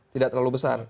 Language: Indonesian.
tidak terlalu besar